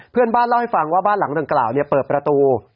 เพื่อนบ้านเล่าให้ฟังว่าบ้านหลังดังกล่าวเปิดประตู